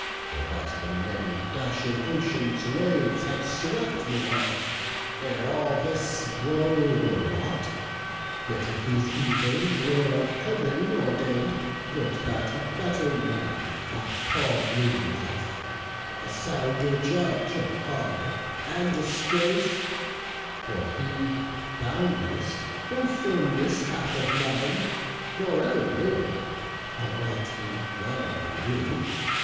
Or that the many dashing ocean's waves Had swept me off, ere all this woe were wrought! Yet if these evils were of Heav'n ordain'd, Would that a better man had call'd me wife; A sounder judge of honour and disgrace: For he, thou know'st, no firmness hath of mind, Nor ever will; a want he well may rue.